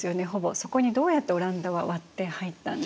そこにどうやってオランダは割って入ったんですか？